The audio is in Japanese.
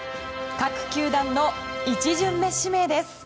各球団の１巡目指名です。